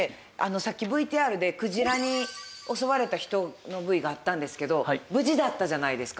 さっきＶＴＲでクジラに襲われた人のＶがあったんですけど無事だったじゃないですか。